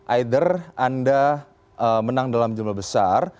either anda menang dalam jumlah besar